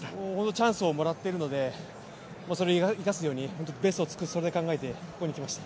チャンスをもらっているので、それを生かすように、ベストを尽くす、それだけを考えてここに来ました。